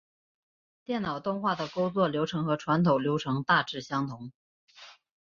电脑动画的工作流程和传统流程大致相同。